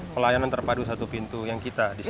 pelayanan terpadu satu pintu yang kita di sini